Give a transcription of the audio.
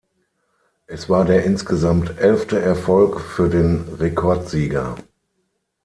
Es war der insgesamt elfte Erfolg für den Rekordsieger.